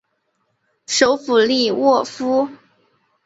首府利沃夫。